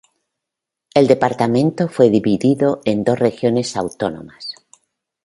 El departamento fue dividido en dos regiones autónomas.